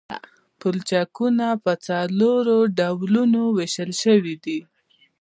پلچکونه په څلورو ډولونو ویشل شوي دي